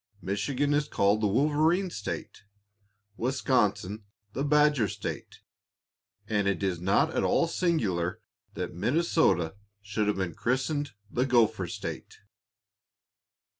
Michigan is called the "Wolverine State," Wisconsin the "Badger State," and it is not at all singular that Minnesota should have been christened the "Gopher State."